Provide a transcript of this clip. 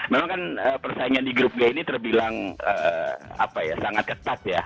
memang kan persaingan di grup g ini terbilang sangat ketat ya